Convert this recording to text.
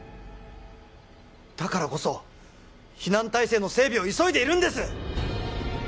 だからこそ避難体制の整備を急いでいるんです